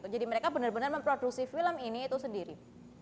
jadi mereka benar benar memproduksi film ini itu sendiri